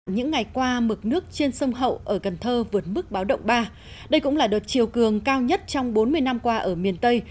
những ngày qua mực nước trên sông hậu ở cần thơ vượt mức báo động ba đây cũng là đợt chiều cường cao nhất trong bốn mươi năm qua ở miền tây